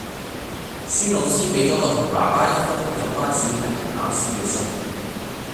孫老師畀咗我同爸爸一封有關小提琴考試嘅信